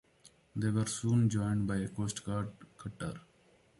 They were soon joined by a Coast Guard cutter.